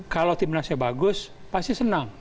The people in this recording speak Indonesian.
kalau timnasnya bagus pasti senang